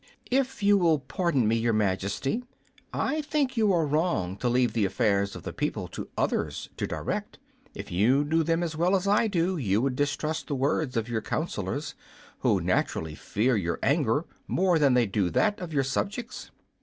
"If you will pardon me, Your Majesty, I think you are wrong to leave the affairs of the people to others to direct. If you knew them as well as I do, you would distrust the words of your councilors, who naturally fear your anger more than they do that of your subjects."